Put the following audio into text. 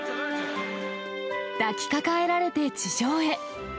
抱きかかえられて地上へ。